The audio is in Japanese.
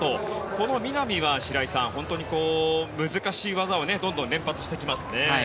この南は白井さん、難しい技をどんどん連発してきますね。